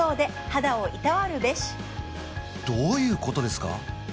どういうことですか？